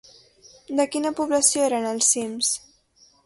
De quina població eren els cims?